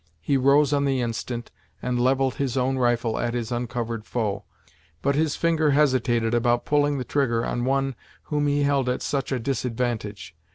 He rose on the instant, and levelled his own rifle at his uncovered foe; but his finger hesitated about pulling the trigger on one whom he held at such a disadvantage.